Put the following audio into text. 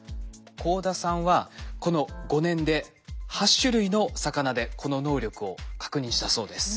幸田さんはこの５年で８種類の魚でこの能力を確認したそうです。